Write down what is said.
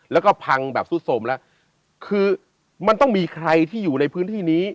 แล้วก็พังแบบสุดสมแล้วคือมันต้องมีใครที่อยู่ในพื้นที่นี้